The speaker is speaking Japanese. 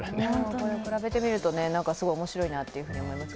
比べてみると、すごい面白いなと思いますね。